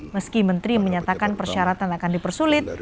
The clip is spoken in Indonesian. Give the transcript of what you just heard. meski menteri menyatakan persyaratan akan dipersulit